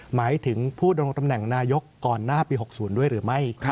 หมายถึงผู้ดำรงตำแหน่งนายกก่อนหน้าปี๖๐ด้วยหรือไม่